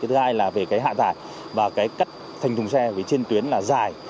thứ hai là về hạ tài và cắt thành thùng xe trên tuyến là dài